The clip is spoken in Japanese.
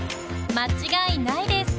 間違いないです！